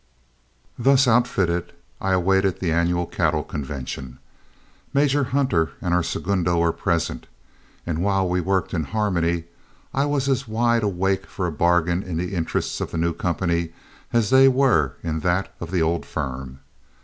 Thus outfitted, I awaited the annual cattle convention. Major Hunter and our segundo were present, and while we worked in harmony, I was as wide awake for a bargain in the interests of the new company as they were in that of the old firm.